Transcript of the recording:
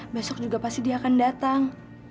besok juga pasti dia akan datang